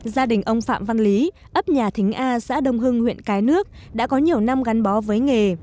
gia đình ông phạm văn lý ấp nhà thính a xã đông hưng huyện cái nước đã có nhiều năm gắn bó với nghề